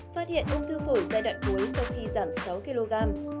phát hiện ung thư phổi giai đoạn cuối sau khi giảm sáu kg